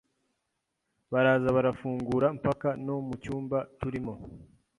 baraza barafungura mpaka no mucyumba turimo